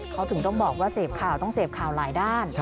เขาถึงต้องบอกว่าเสพข่าวต้องเสพข่าวหลายด้าน